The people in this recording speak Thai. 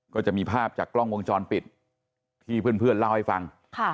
ก็จะมีภาพจากกล้องวงจรปิดที่เพื่อนเล่าให้ฟัง